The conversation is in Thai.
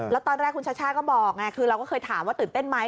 แล้วตอนแรกคุณชัชชาก็บอกไงคือเราก็เคยถามว่าตื่นเต้นไหม